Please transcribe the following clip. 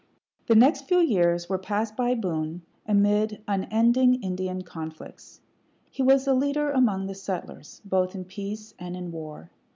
The next few years were passed by Boone amid unending Indian conflicts. He was a leader among the settlers, both in peace and in war.